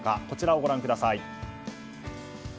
こちらをご覧ください。